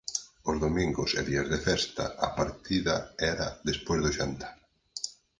Os domingos e días de festa a partida era despois do xantar.